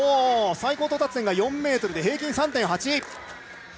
最高到達点が４ｍで平均３．８！